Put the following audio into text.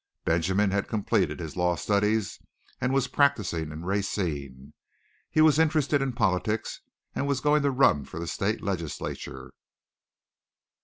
Benjamin had completed his law studies and was practising in Racine. He was interested in politics and was going to run for the state legislature.